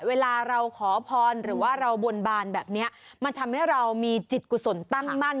เวลาเราขอพรหรือว่าเราบนบานแบบนี้มันทำให้เรามีจิตกุศลตั้งมั่น